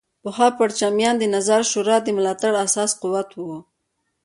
پخوا پرچمیان د نظار شورا د ملاتړ اساسي قوت وو.